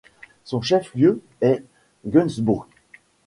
Son chef lieu est Guntzbourg.